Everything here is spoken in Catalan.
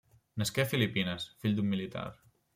Nasqué a Filipines, fill d'un militar.